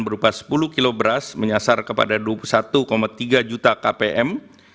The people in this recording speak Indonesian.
berupa sepuluh kilo beras menyasar kepada dua puluh satu tiga juta kpm